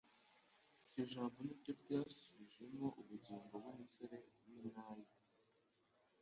Iryo jambo niryo ryasubijemo ubugingo bw'umusore w’i Naini,